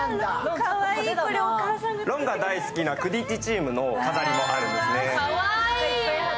ロンが大好きなクィディッチチームのマークもあるんですね。